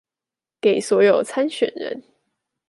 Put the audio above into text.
給所有參選人